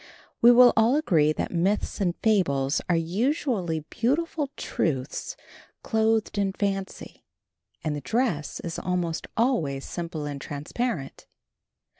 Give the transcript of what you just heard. We will all agree that myths and fables are usually beautiful truths clothed in fancy, and the dress is almost always simple and transparent.